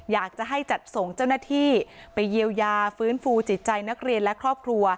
อยากจะให้จัดส่งเจ้าหน้าที่ไปเยียวยาฟื้นฟูจิตใจนักเรียนและครอบครัว